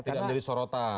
tidak menjadi sorotan